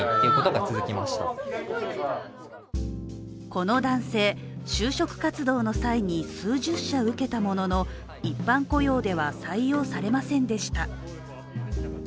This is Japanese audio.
この男性、就職活動の際に数十社受けたものの一般雇用では採用されませんでした。